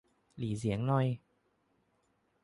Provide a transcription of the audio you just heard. หรี่เสียงหน่อย